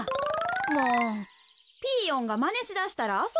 もうピーヨンがまねしだしたらあそばれへんやろ。